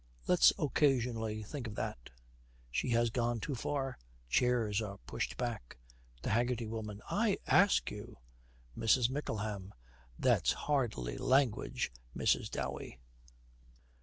Let's occasionally think of that.' She has gone too far. Chairs are pushed back. THE HAGGERTY WOMAN. 'I ask you!' MRS. MICKLEHAM. 'That's hardly language, Mrs. Dowey.'